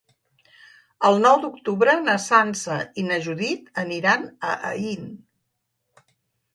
El nou d'octubre na Sança i na Judit aniran a Aín.